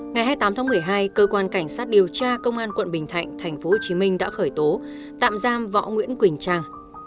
ngày hai mươi tám tháng một mươi hai cơ quan cảnh sát điều tra công an quận bình thạnh tp hcm đã khởi tố tạm giam võ nguyễn quỳnh trang